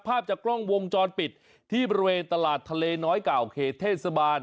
ภาพจากกล้องวงจรปิดที่บริเวณตลาดทะเลน้อยเก่าเขตเทศบาล